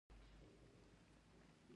د خدای دښتې وې.